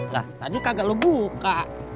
lah tadi kagak lu buka